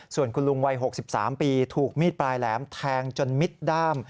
ส่วนคุณลุงวัย๖๓ปีถูกมีดปลายแหลมแทงจนมิดด้าม